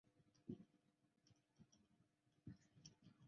埃尔南德斯出生于墨西哥著名的足球家庭。